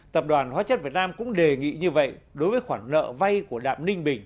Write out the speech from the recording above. tập đoàn hóa chất việt nam cũng đề nghị như vậy đối với khoản nợ vay của đạm ninh bình